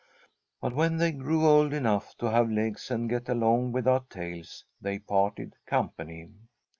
But when they grew old enough to have legs and get along without tails, they parted company.